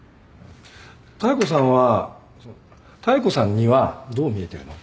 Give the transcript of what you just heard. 妙子さんは妙子さんにはどう見えてるの？